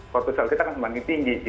portual kita akan semakin tinggi